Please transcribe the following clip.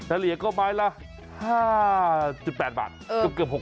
ถ้าเหลียก็ไม้ละ๕๘บาทเกือบ๖บาท